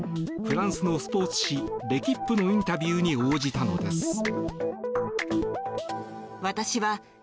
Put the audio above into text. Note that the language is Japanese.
フランスのスポーツ紙レキップのインタビューに応じたのです。